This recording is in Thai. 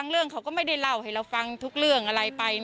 เรื่องเขาก็ไม่ได้เล่าให้เราฟังทุกเรื่องอะไรไป